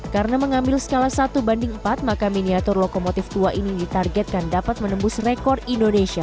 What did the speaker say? karena mengambil skala satu banding empat maka miniatur lokomotif tua ini ditargetkan dapat menembus rekor indonesia